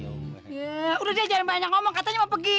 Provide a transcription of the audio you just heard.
ya udah deh jangan banyak ngomong katanya mau pergi